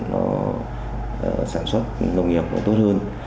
nó sản xuất nông nghiệp nó tốt hơn